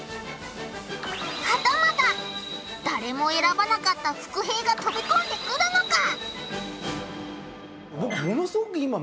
はたまた誰も選ばなかった伏兵が飛び込んでくるのか？